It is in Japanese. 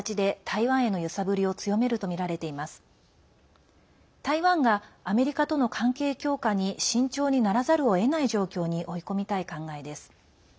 台湾がアメリカとの関係強化に慎重にならざるをえない状況に追い込みたい考えです。